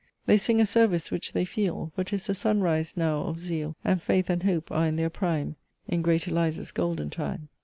They sing a service which they feel: For 'tis the sun rise now of zeal; And faith and hope are in their prime In great Eliza's golden time."